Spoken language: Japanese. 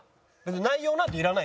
内容なんていらない。